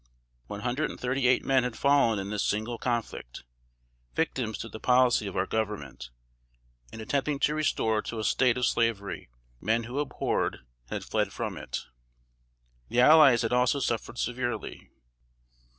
One hundred and thirty eight men had fallen in this single conflict, victims to the policy of our Government, in attempting to restore to a state of slavery men who abhorred and had fled from it. The allies had also suffered severely.